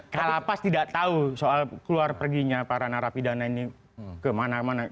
kalapas tidak tahu soal keluar perginya para narapidana ini kemana mana